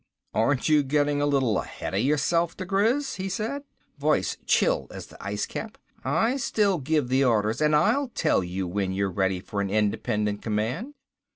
"Aren't you getting a little ahead of yourself, diGriz," he said. Voice chill as the icecap. "I still give the orders and I'll tell you when you're ready for an independent command."